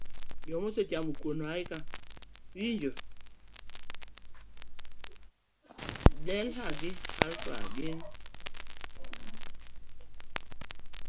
Delta gi Alpha gim moko kum midhusi mag korona makelo tuo mar korona.